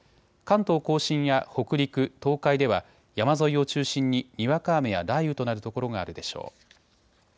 関東甲信や北陸、東海では山沿いを中心ににわか雨や雷雨となる所があるでしょう。